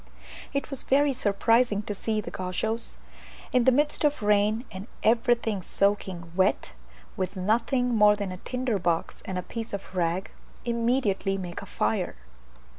It was very surprising to see the Gauchos, in the midst of rain and everything soaking wet, with nothing more than a tinder box and a piece of rag, immediately make a fire.